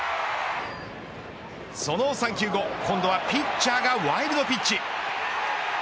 その３球後今度はピッチャーがワイルドピッチ。